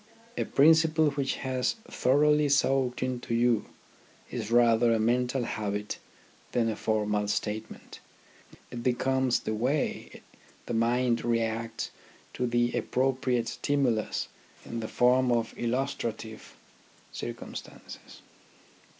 A principle which has thoroughly soaked into you is rather a mental habit than a formal statement. It becomes the way the mind reacts to the appropriate stimu lus in the form of illustrative circumstances.